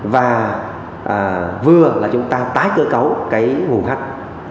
và vừa là chúng ta tái cơ cấu cái nguồn khách